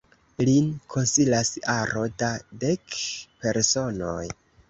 Lin konsilas aro da dek personoj.